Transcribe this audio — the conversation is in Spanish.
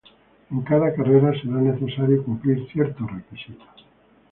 En cada carrera será necesario cumplir ciertos requisitos.